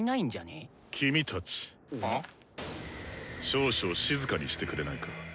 少々静かにしてくれないか。